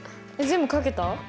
えっ全部書けた？